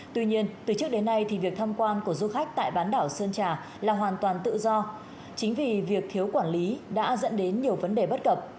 tuy nhiên từ trước đến nay thì việc tham quan của du khách tại bán đảo sơn trà là hoàn toàn tự do chính vì việc thiếu quản lý đã dẫn đến nhiều vấn đề bất cập